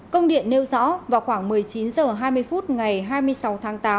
công điện nêu rõ vào khoảng một mươi chín h hai mươi phút ngày hai mươi sáu tháng tám